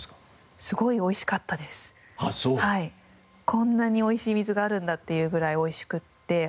こんなにおいしい水があるんだっていうぐらいおいしくって。